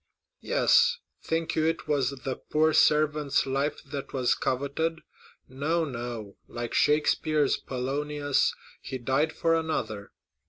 "Yes; think you it was the poor servant's life was coveted? No, no; like Shakespeare's Polonius, he died for another.